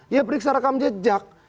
ya periksa rekam jejak